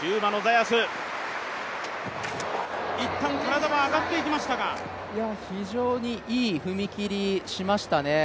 キューバのザヤス、一旦体が上がっていきましたが非常にいい踏み切りしましたね。